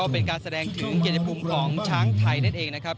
เป็นการแสดงถึงเกียรติภูมิของช้างไทยนั่นเองนะครับ